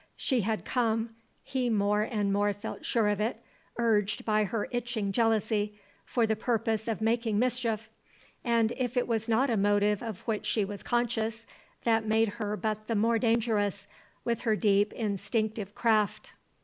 She had come, he more and more felt sure of it, urged by her itching jealousy, for the purpose of making mischief; and if it was not a motive of which she was conscious, that made her but the more dangerous with her deep, instinctive craft.